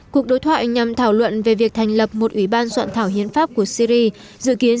cuộc đối thoại nhằm thảo luận về việc thành lập một ủy ban soạn thảo hiến pháp của syri dự kiến